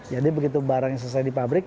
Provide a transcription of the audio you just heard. jadi begitu barang yang selesai di pabrik